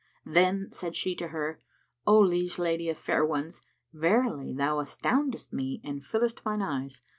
Then said she to her, "O liege lady of fair ones, verily thou astoundest me and fillest mine eyes.